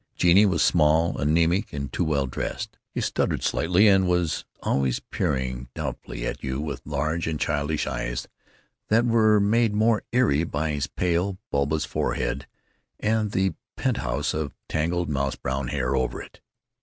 Genie was small, anemic, and too well dressed. He stuttered slightly and was always peering doubtfully at you with large and childish eyes that were made more eerie by his pale, bulbous forehead and the penthouse of tangled mouse brown hair over it....